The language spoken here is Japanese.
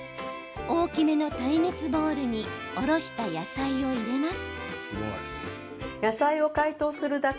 大きめの耐熱ボウルにおろした野菜を入れます。